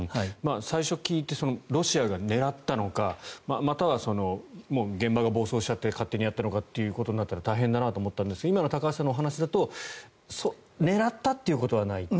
最初、聞いてロシアが狙ったのかまたは現場が暴走しちゃって勝手にやったのかということになったら大変だなということですが今の高橋さんのお話だと狙ったということはないと。